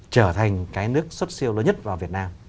trở thành cái nước xuất siêu lớn nhất vào việt nam